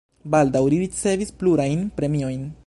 Baldaŭ li ricevis plurajn premiojn.